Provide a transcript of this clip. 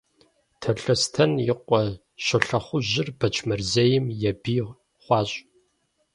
Талъостэн и къуэ Щолэхъужьыр Бэчмырзейм я бий хъуащ.